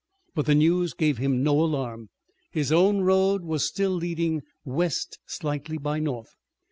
But the news gave him no alarm. His own road was still leading west slightly by north.